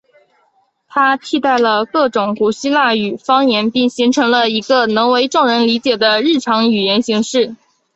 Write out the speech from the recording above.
它替代了各种古希腊语方言并形成了一个能为众人理解的日常语言形式。